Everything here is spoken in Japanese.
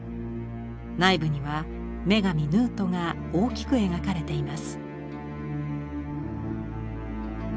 内部には女神ヌウトが大きく描かれています。